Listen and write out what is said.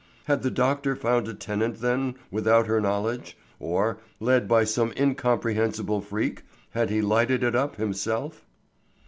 Had the doctor found a tenant then without her knowledge, or, led by some incomprehensible freak, had he lighted it up himself?